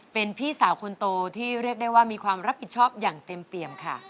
เป็นพี่สาวคนโตที่เรียกได้ว่ามีความรับผิดชอบอย่างเต็มเปี่ยมค่ะ